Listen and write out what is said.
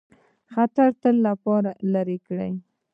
خطر د تل لپاره لیري کړ.